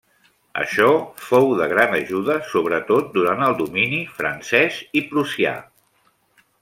Això fou de gran ajuda sobretot durant el domini francès i prussià.